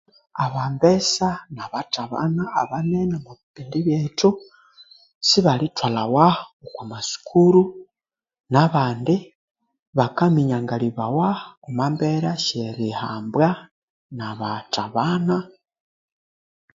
Aba mbesa naba thabana omwabipindi byethu sibalitwalawa okwa masukuru nabandi bakahambawa nabatabana